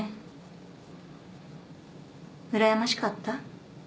うらやましかった？